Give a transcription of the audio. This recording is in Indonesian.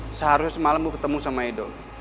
ari seharusnya semalam gue ketemu sama edo